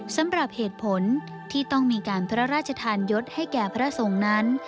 สำหรับเหตุผลที่ต้องมีการพระราชทานยศให้แก่พระสงฆ์นั้น